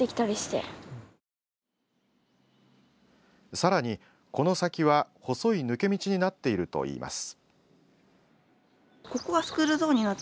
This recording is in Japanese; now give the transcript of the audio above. さらに、この先は細い抜け道になっているといいます。